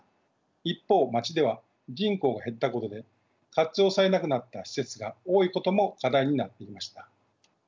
一方町では人口が減ったことで活用されなくなった施設が多いことも課題になっていました。